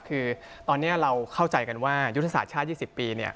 คือตอนนี้เราเข้าใจกันว่ายุทธศาสตร์ชาติ๒๐ปี